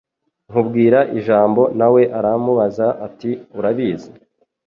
nkubwira ijambo na we aramubaza ati urabizi